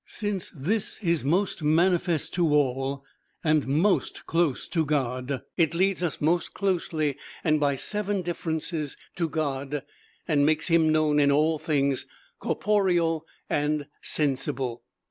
Since this is most manifest to all and most close to God, it leads us most closely and by seven differences to God, and makes him known in all things, corporeal and sensible.